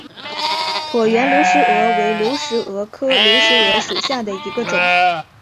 椭圆流石蛾为流石蛾科流石蛾属下的一个种。